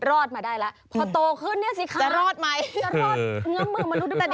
ติดตามทางราวของความน่ารักกันหน่อย